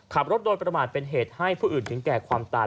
ขับรถโดยประมาทเป็นเหตุให้ผู้อื่นถึงแก่ความตาย